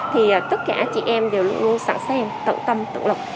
thì tất cả chị em đều luôn sẵn sàng tận tâm tận lực